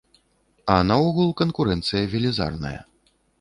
А наогул канкурэнцыя велізарная.